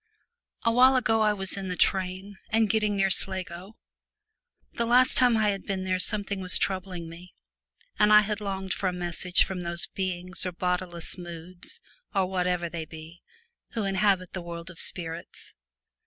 A while ago I was in the train, and getting near Sligo. The last time I had been there something was troubling me, and I had longed for a message from those beings or bodiless moods, or whatever they be, who inhabit the world of spirits.